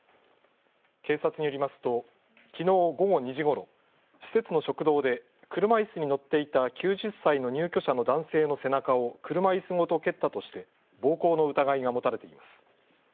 警察によりますときのう午後２時ごろ、施設の食堂で車いすに乗っていた９０歳の入居者の男性の背中を車いすごと蹴ったとして暴行の疑いが持たれています。